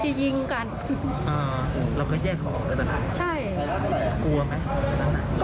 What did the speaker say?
ไม่คิดว่าเขาจะยิงกัน